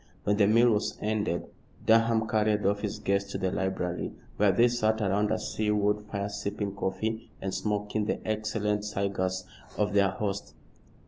When the meal was ended Durham carried off his guests to the library, where they sat around a sea wood fire sipping coffee and smoking the excellent cigars of their host.